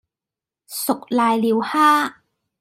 熟瀨尿蝦